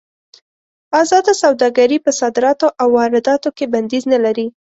ازاده سوداګري په صادراتو او وارداتو کې بندیز نه لري.